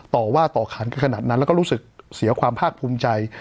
ต่อว่าต่อขานกันขนาดนั้นแล้วก็รู้สึกเสียความภาคภูมิใจ